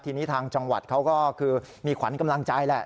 ทีนี้ทางจังหวัดเขาก็คือมีขวัญกำลังใจแหละ